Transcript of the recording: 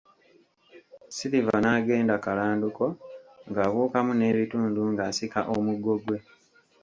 Silver n'agenda kalanduko ng'abuukamu n'ebitundu ng'asika omuggo gwe.